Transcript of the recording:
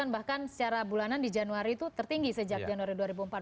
bahkan secara bulanan di januari itu tertinggi sejak januari dua ribu empat belas